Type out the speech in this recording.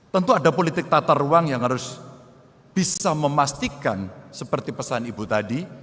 tentu ada politik tata ruang yang harus bisa memastikan seperti pesan ibu tadi